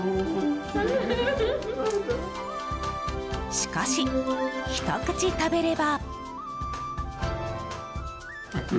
しかし、ひと口食べれば。